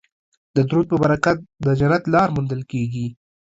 د درود په برکت د جنت لاره موندل کیږي